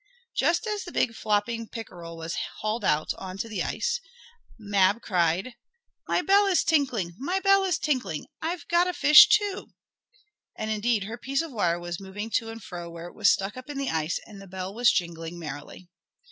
Just as the big, flopping pickerel was hauled out on the ice, Mab cried: "My bell is tinkling! My bell is tinkling! I've got a fish, too!" And indeed her piece of wire was moving to and fro where it was stuck up in the ice, and the bell was jingling merrily.